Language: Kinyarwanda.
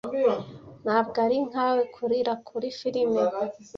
Ntabwo ari nkawe kurira kuri firime.